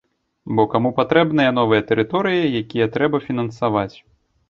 Бо каму патрэбныя новыя тэрыторыі, якія трэба фінансаваць?